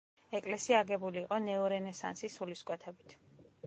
ეკლესია აგებული იყო ნეორენესანსის სულისკვეთებით.